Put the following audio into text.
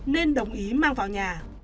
nên đồng ý mang vào nhà